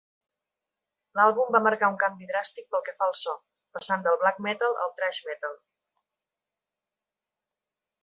L'àlbum va marcar un canvi dràstic pel que fa al so, passant del "black metal" al "thrash metal".